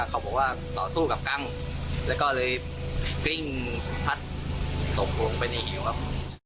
เขาบอกว่าต่อสู้กับกังแล้วก็เลยกลิ้งพัดตกลงไปในเหวครับ